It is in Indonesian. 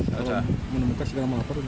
kalau menemukan sekarang mau laporkan